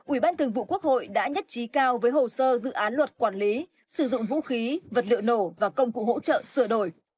ubnd đã nhất trí cao với hồ sơ dự án luật quản lý sử dụng vũ khí vật liệu nổ và công cụ hỗ trợ sửa đổi